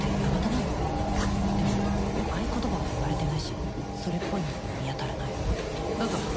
でも合言葉は言われてないしそれっぽいものも見当たらないどうぞ。